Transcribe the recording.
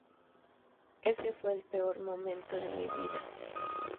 Ese fue el peor momento de mi vida.